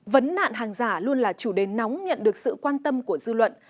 vấn nạn hàng giả luôn là chủ đề nóng nhận được sự quan tâm của dư luận